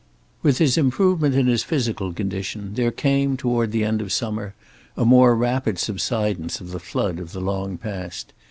With his improvement in his physical condition there came, toward the end of the summer, a more rapid subsidence of the flood of the long past.